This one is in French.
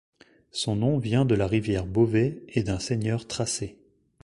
Son nom vient de la rivière Bovey et d'un seigneur Tracey.